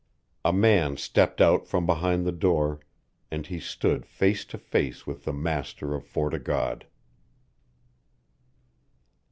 A man stepped out from beside the door, and he stood face to face with the master of Fort o' God.